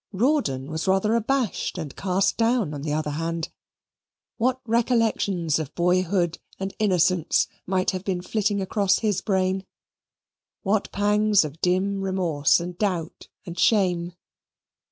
Rawdon was rather abashed and cast down, on the other hand. What recollections of boyhood and innocence might have been flitting across his brain? What pangs of dim remorse and doubt and shame?